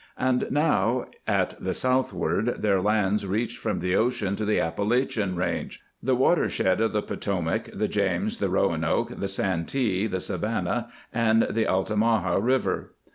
And now, at the southward, their lands reached from the ocean to the Appalachian range — the watg shed of the Potomac, the James, the Roanoke, the Santee, the Savannah and the Altamaha rivers.